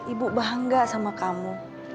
ibu bangga sama kamu